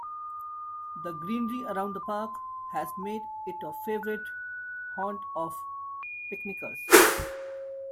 The greenery around the park has made it a favorite haunt of picnickers.